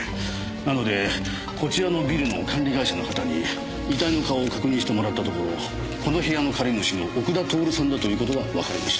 なのでこちらのビルの管理会社の方に遺体の顔を確認してもらったところこの部屋の借り主の奥田徹さんだという事がわかりました。